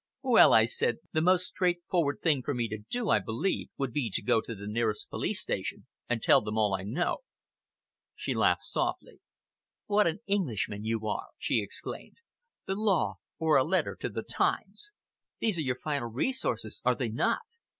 "Well," I said, "the most straightforward thing for me to do, I believe, would be to go to the nearest police station and tell them all I know." She laughed softly. "What an Englishman you are!" she exclaimed. "The law, or a letter to the Times. These are your final resources, are they not?